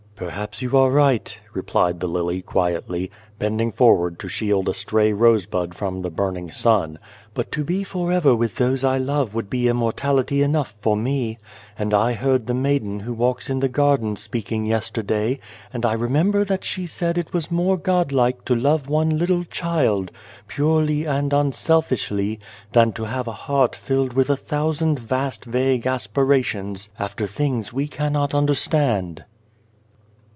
" Perhaps you are right," replied the lily quietly, bending forward to shield a stray rose bud from the burning sun, " but to be forever with those I love would be immortality enough for me. And I heard the maiden who walks in the garden speaking yesterday, and I 161 M The Garden of God remember that she said it was more godlike to love one little child, purely and unselfishly, than to have a heart filled with a thousand vast vague aspirations after things we cannot understand."